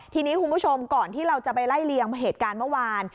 ทีนี้คุณผู้ชมก่อนที่เราจะไปไล่เลียงเหตุการณ์เมื่อวาน